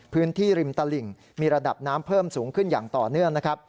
พื้นที่ริมตลิ่งมีระดับน้ำเพิ่มสูงขึ้นอย่างต่อเนื่องนะครับ